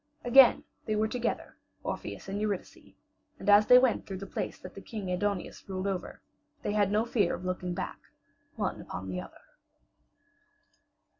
Again they were together, Orpheus and Eurydice, and as they went through the place that King Aidoneus ruled over, they had no fear of looking back, one upon the other.